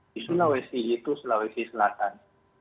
di sulawesi itu sulawesi selatan